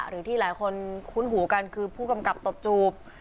หรือที่หลายคนคุ้นหูกันคือผู้กำกับตบจูบ